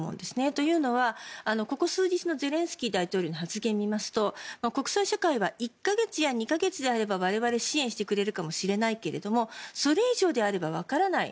というのは、ここ数日のゼレンスキー大統領の発言を見ますと国際社会は１か月や２か月であれば我々を支援してくれるかもしれないけどそれ以上であればわからない。